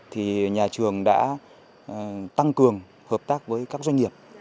thì nhà trường đã tăng cường hợp tác với các doanh nghiệp